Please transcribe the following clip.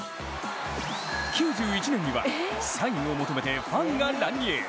９１年にはサインを求めてファンが乱入。